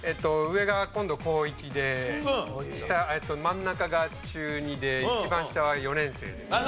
上が今度高１で真ん中が中２で一番下は４年生ですね。